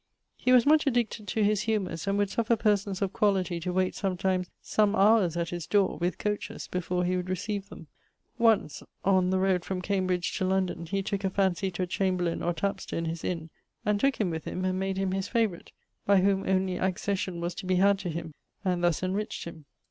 He was much addicted to his humours, and would suffer persons of quality to wayte sometimes some houres at his dore, with coaches, before he would recieve them. Once, on the rode from Cambridge to London, he tooke a fancy to a chamberlayn or tapster in his inne, and tooke him with him, and made him his favourite, by whom only accession was to be had to him, and thus enriched him.